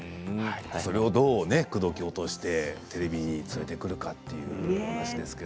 それをどう口説きおとしてテレビに連れてくるかという話ですけど。